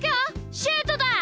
シュートだ！